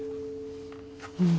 うん。